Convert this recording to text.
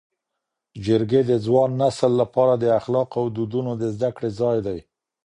جرګې د ځوان نسل لپاره د اخلاقو او دودونو د زده کړې ځای دی.